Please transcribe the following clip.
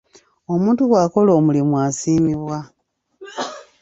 Omuntu bw'akola omulimu asiimibwa.